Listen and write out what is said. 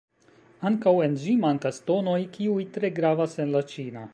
Ankaŭ, en ĝi mankas tonoj, kiuj tre gravas en la ĉina.